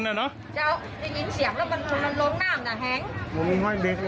แห้ง